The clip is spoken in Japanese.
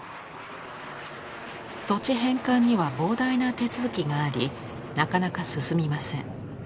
土地返還には膨大な手続きがありなかなか進みません。